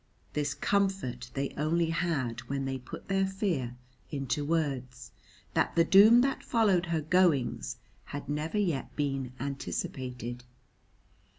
This comfort they only had when they put their fear into words that the doom that followed her goings had never yet been anticipated.